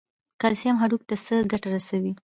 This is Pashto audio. کلسیم هډوکو ته څه ګټه رسوي؟